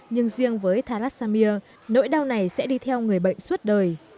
nhưng riêng với thalassemia nỗi đau này sẽ đi theo người bệnh suốt đời